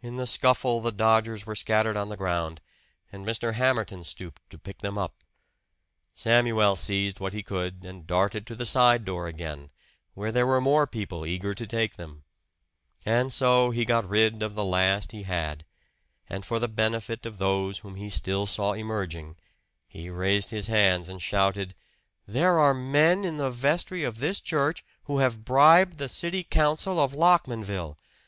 In the scuffle the dodgers were scattered on the ground; and Mr. Hamerton stooped to pick them up. Samuel seized what he could and darted to the side door again, where there were more people eager to take them. And so he got rid of the last he had. And for the benefit of those whom he still saw emerging, he raised his hands and shouted: "There are men in the vestry of this church who have bribed the city council of Lockmanville!